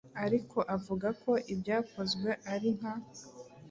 ariko avuga ko ibyakozwe ari nka